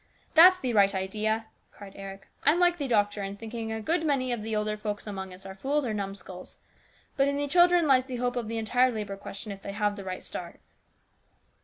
" That's the right idea !" cried Eric. " I'm like the doctor in thinking a good many of the older folks among us are fools or numskulls. But in the children lies the hope of the entire labour question if they have the right start."